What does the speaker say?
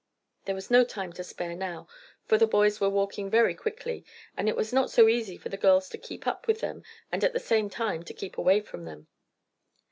There was no time to spare now, for the boys were walking very quickly, and it was not so easy for the girls to keep up with them and at the same time to keep away from them.